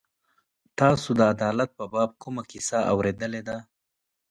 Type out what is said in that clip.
تاسو د عدالت په باب کومه کیسه اورېدلې ده.